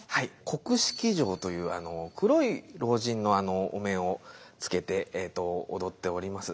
黒色尉という黒い老人のお面をつけて踊っております。